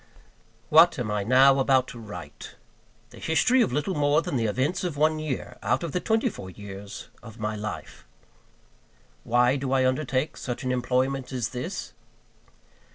WHAT am I now about to write? The history of little more than the events of one year, out of the twenty four years of my life. Why do I undertake such an employment as this?